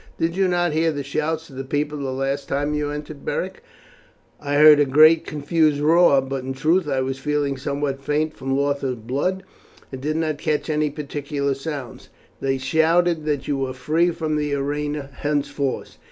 "Did you not hear the shouts of the people the last time you entered, Beric?" "I heard a great confused roar, but in truth I was feeling somewhat faint from loss of blood, and did not catch any particular sounds." "They shouted that you were free from the arena henceforth.